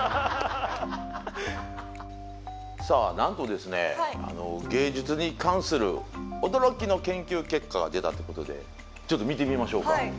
さあなんとですね芸術に関する驚きの研究結果が出たってことでちょっと見てみましょうか。